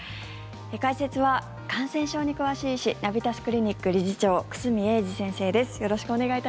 解説は、感染症に詳しい医師ナビタスクリニック理事長久住英二先生です。